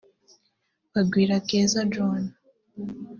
Bagwire Keza Joanah